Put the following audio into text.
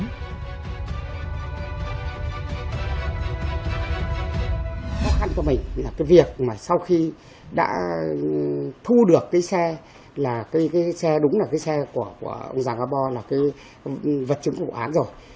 khó khăn của mình là cái việc mà sau khi đã thu được cái xe là cái xe đúng là cái xe của ông giàng a bo là cái vật chứng của vụ án rồi